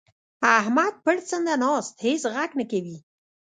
احمد پړسنده ناست؛ هيڅ ږغ نه کوي.